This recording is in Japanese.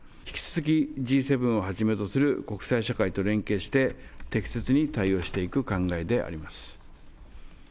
引き続きＧ７をはじめとする国際社会と連携して、適切に対応していく考えであります。